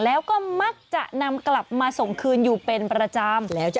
แล้วก็มักจะนำกลับมาส่งคืนอยู่เป็นประจำ